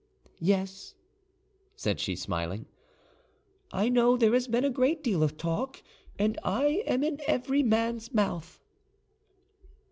"Yes," she said, smiling, "I know there has been a great deal of talk, and I am in every man's mouth."